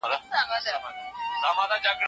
ملا په یوه ساه له کټه پاڅېد.